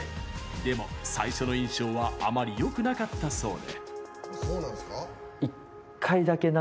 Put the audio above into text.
でも、最初の印象はあまりよくなかったそうで。